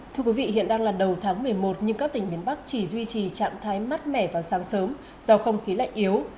thưa quý vị hiện đang là đầu tháng một mươi một nhưng các tỉnh miền bắc chỉ duy trì trạng thái mát mẻ vào sáng sớm do không khí lạnh yếu